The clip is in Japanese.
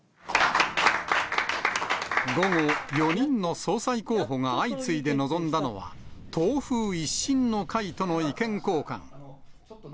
午後、４人の総裁候補が相次いで臨んだのは、党風一新の会との意見交換。